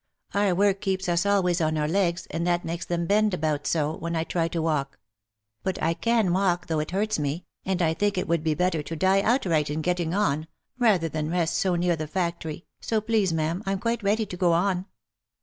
Our work keeps us always on our legs, and that makes them bend about so, when I try to walk ; but 1 can walk though it hurts me, and I think it would be better to die outright in getting on, rather than rest so near the factory — so, please ma'am, I'm quite ready to go on."